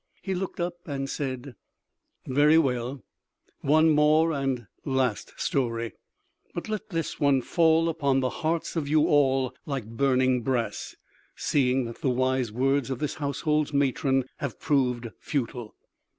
He looked up and said: "Very well, one more and last story, but let this one fall upon the hearts of you all like burning brass, seeing that the wise words of this household's matron have proved futile."